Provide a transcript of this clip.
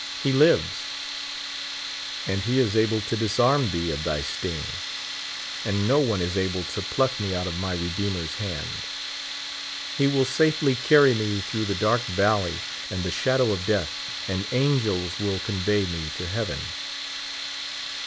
He lives, and he is able to disarm thee of thv sting ; and no one is able to pluck me out of my Redeemer's hand. He will safely caiT)^ me through the dark valley and the shadow of death, and angels will convey me to heaven.